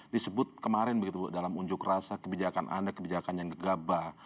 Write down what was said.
disebut kemarin begitu bu dalam unjuk rasa kebijakan anda kebijakan yang gegabah